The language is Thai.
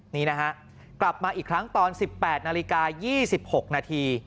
นี่นะฮะกลับมาอีกครั้งตอน๑๘นาฬิกา๒๖นาที